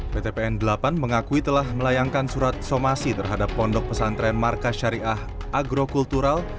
pt pn delapan mengakui telah melayangkan surat somasi terhadap pondok pesantren markas syariah agrokultural